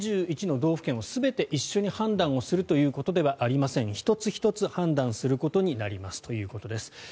２１の道府県を全て一緒に判断をするということではありません１つ１つ判断することになりますということです。